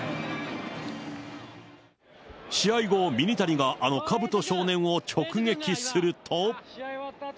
試合後、ミニタニがあのかぶと少年を直撃すると。